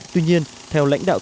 tuy nhiên theo lãnh đạo